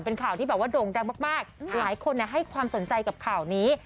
เป็นข่าวที่แบบว่าโด่งดังมากหลายคนให้ความสนใจกับข่าวนี้